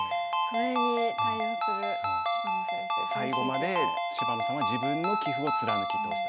最後まで芝野さんは自分の棋風を貫き通した。